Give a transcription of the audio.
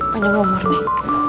panjang umur nih